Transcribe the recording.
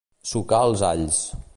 Sucar els alls.